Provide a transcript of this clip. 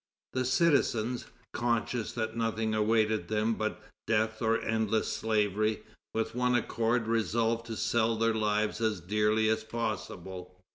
The citizens, conscious that nothing awaited them but death or endless slavery, with one accord resolved to sell their lives as dearly as possible.